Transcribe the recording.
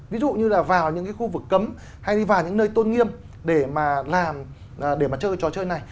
ví dụ như là vào những cái khu vực cấm hay đi vào những nơi tôn nghiêm để mà làm để mà chơi cái trò chơi này